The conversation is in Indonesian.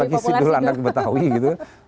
bagi sidul anak betawi gitu